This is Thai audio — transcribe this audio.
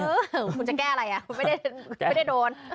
อืมผมจะแก้อะไรผมไม่ได้นวน